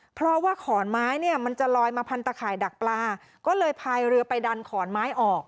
เพราะว่าขอนไม้เนี่ยมันจะลอยมาพันตะข่ายดักปลาก็เลยพายเรือไปดันขอนไม้ออก